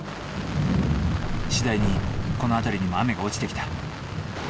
次第にこの辺りにも雨が落ちてきた。